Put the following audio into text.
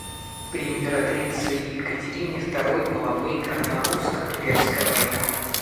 При императрице Екатерине Второй была выиграна Русско-турецкая война.